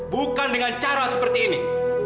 bukan dengan cara seperti ini